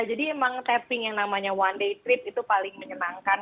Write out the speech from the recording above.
jadi emang taping yang namanya one day trip itu paling menyenangkan